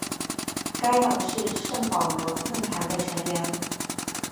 该党是圣保罗论坛的成员。